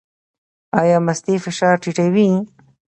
ایا مستې فشار ټیټوي؟